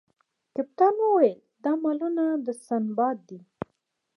کپتان وویل چې دا مالونه د سنباد دي.